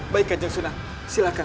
baik kanjeng senan silahkan